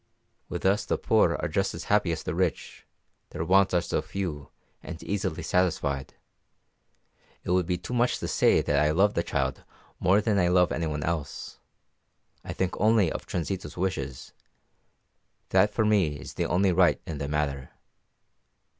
"With us the poor are just as happy as the rich, their wants are so few, and easily satisfied. It would be too much to say that I love the child more than I love anyone else; I think only of Transita's wishes; that for me is the only right in the matter.